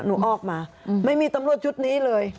หนูออกมาไม่มีตำรวจชุดนี้เลย